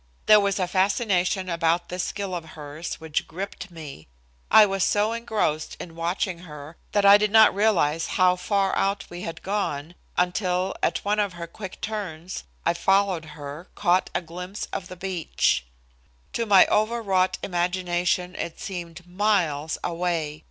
There was a fascination about this skill of hers which gripped me. I was so engrossed in watching her that I did not realize how far out we had gone until at one of her quick turns, I, following her, caught a glimpse of the beach. To my overwrought imagination it seemed miles away.